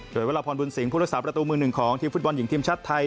โดยวรพรบุญสิงห์ผู้รักษาประตูมือหนึ่งของทีมฟุตบอลหญิงทีมชาติไทย